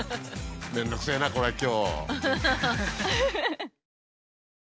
面倒くせえなこれ今日。